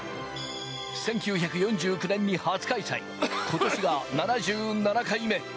１９４９年に初開催、今年が７７回目。